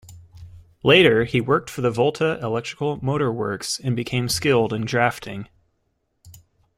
Later he worked for the Volta Electrical Motor Works and became skilled in drafting.